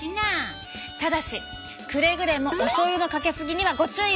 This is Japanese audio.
ただしくれぐれもおしょうゆのかけすぎにはご注意を！